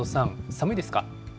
寒いですか？